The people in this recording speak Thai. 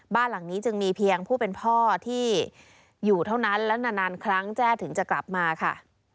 บ้านหลังนี้จึงมีเพียงผู้เป็นพ่อที่อยู่เท่านั้นและนานครั้งแจ้ถึงจะกลับมาค่ะ